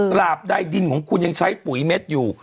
บใดดินของคุณยังใช้ปุ๋ยเม็ดอยู่